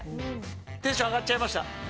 テンション上がっちゃいました。